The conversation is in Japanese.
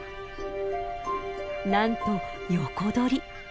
なんと横取り。